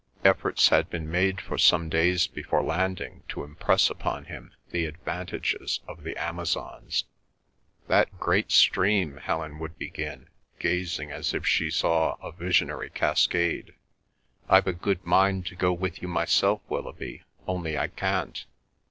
Efforts had been made for some days before landing to impress upon him the advantages of the Amazons. "That great stream!" Helen would begin, gazing as if she saw a visionary cascade, "I've a good mind to go with you myself, Willoughby—only I can't.